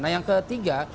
nah yang ketiga